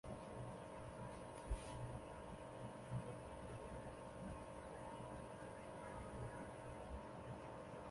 长鼻松鼠属等之数种哺乳动物。